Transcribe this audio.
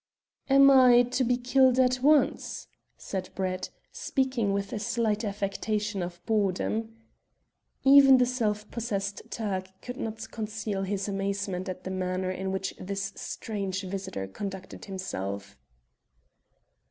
"Am I to be killed at once?" said Brett, speaking with a slight affectation of boredom. Even the self possessed Turk could not conceal his amazement at the manner in which his strange visitor conducted himself.